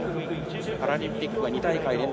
パラリンピックは２大会連続。